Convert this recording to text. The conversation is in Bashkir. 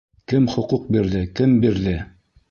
Кем хоҡуҡ бирҙе, кем бирҙе?